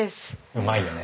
うまいよね。